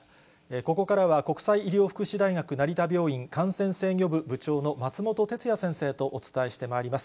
ここからは国際医療福祉大学成田病院感染制御部部長の松本哲哉先生とお伝えしてまいります。